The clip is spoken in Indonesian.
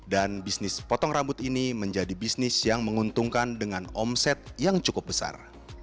dan bisnis potong rambut ini menjadi bisnis yang menguntungkan dengan omset yang cukup besar